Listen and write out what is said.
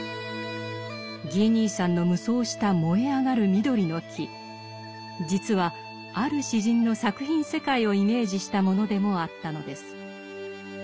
ギー兄さんの夢想した燃えあがる緑の木実はある詩人の作品世界をイメージしたものでもあったのです。